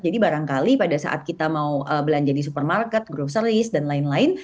jadi barangkali pada saat kita mau belanja di supermarket groceries dan lain lain